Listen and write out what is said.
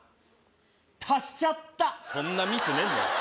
足しちゃったそんなミスねえんだよ